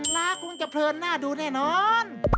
ลาคงจะเพลินหน้าดูแน่นอน